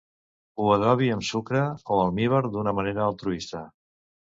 Ho adobi amb sucre o almívar d'una manera altruista.